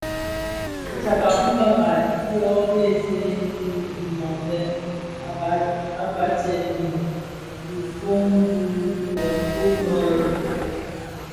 Fitsakka fi marai fyo ghësèyi ki noňdè a batsèm i dhifombu bi më kōō më Jrume.